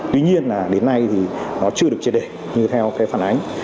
tuy nhiên đến nay nó chưa được triệt đề như theo phản ánh